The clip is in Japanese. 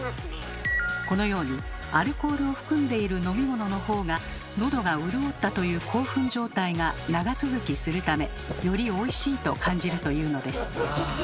このようにアルコールを含んでいる飲み物の方がのどが潤ったという興奮状態が長続きするためよりおいしいと感じるというのです。